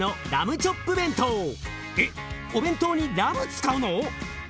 お弁当にラム使うの？